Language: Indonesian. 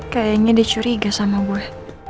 kayaknya dia curiga sama gue